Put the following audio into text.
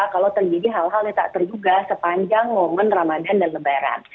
kalau terjadi hal hal yang tak terduga sepanjang momen ramadan dan lebaran